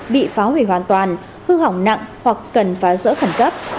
bị phá hủy hoàn toàn hư hỏng nặng hoặc cần phá rỡ khẩn cấp